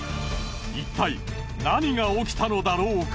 いったい何が起きたのだろうか？